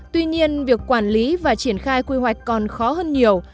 tuy nhiên việc quản lý và triển khai quy hoạch còn khó hơn nhiều